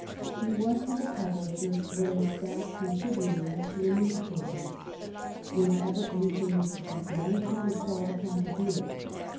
She was to the publisher what a staff contributor is to a newspaper. Whenever anything was to be done she was called upon to do it.